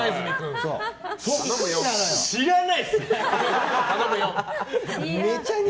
知らないですよ！